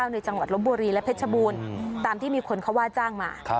ในจังหวัดลบบุรีและเพชรบูรณ์ตามที่มีคนเขาว่าจ้างมา